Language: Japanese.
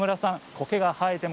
こけが生えても